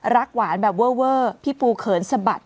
รักหวานแบบเวอร์เวอร์พี่ปูเขินสะบัด